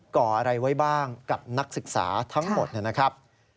่ออะไรไว้บ้างกับนักศึกษาทั้งหมดนะครับ